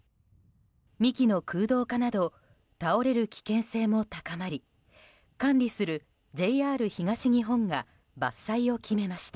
幹の空洞化など倒れる危険性も高まり管理するＪＲ東日本が伐採を決めました。